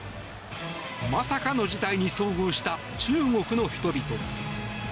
まさかの事態に遭遇した中国の人々。